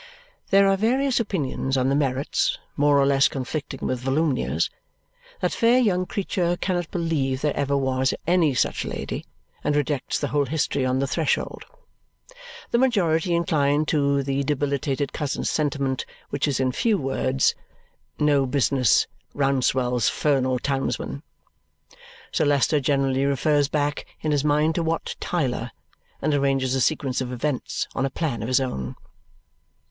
There are various opinions on the merits, more or less conflicting with Volumnia's. That fair young creature cannot believe there ever was any such lady and rejects the whole history on the threshold. The majority incline to the debilitated cousin's sentiment, which is in few words "no business Rouncewell's fernal townsman." Sir Leicester generally refers back in his mind to Wat Tyler and arranges a sequence of events on a plan of his own.